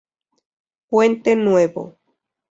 Puente Nuevo.